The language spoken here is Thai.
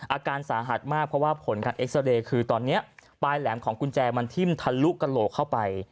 อาการสาหัสมากเพราะว่าผลการเอ็กซาเรย์คือตอนนี้ปลายแหลมของกุญแจมันทิ่มทะลุกระโหลกเข้าไป